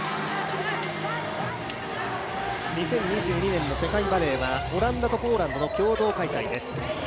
２０２２年の世界バレーはオランダとポーランドの共同開催です。